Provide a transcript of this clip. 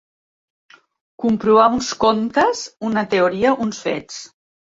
Comprovar uns comptes, una teoria, uns fets.